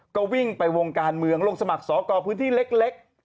ก็วิ่งไปวงการเมืองลงสมัครสอกรพื้นที่เล็ก